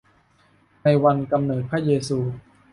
ในวันกำเนิดพระเยซู